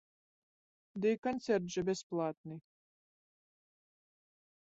Ды і канцэрт жа бясплатны.